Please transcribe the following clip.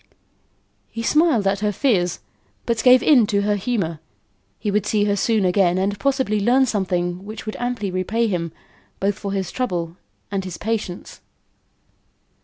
He smiled at her fears, but gave in to her humour; he would see her soon again and possibly learn something which would amply repay him, both for his trouble and his patience.